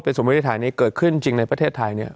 เป็นสมมุติธรรมนี้เกิดขึ้นจริงในประเทศไทย